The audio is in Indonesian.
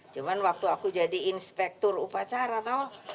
cuma waktu aku jadi inspektur upacara tau